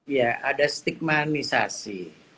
ya ada stigmanisasi